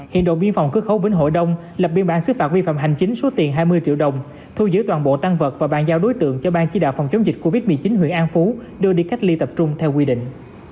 hiện đội biên phòng cửa khẩu vĩnh hội đông lập biên bản xứ phạt vi phạm hành chính số tiền hai mươi triệu đồng thu giữ toàn bộ tăng vật và bàn giao đối tượng cho ban chỉ đạo phòng chống dịch covid một mươi chín huyện an phú đưa đi cách ly tập trung theo quy định